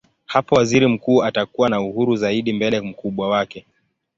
Hapo waziri mkuu atakuwa na uhuru zaidi mbele mkubwa wake.